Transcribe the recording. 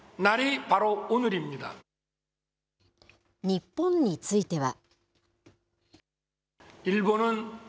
日本については。